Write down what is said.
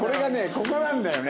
ここなんだよね。